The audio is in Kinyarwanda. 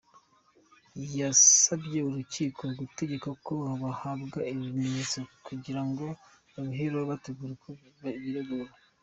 Yasabye urukiko gutegeka ko bahabwa ibi bimenyetso kugira ngo babihereho bategura uko biregura.